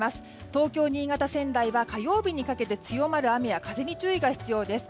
東京、新潟、仙台は火曜日にかけて強まる雨や風に注意が必要です。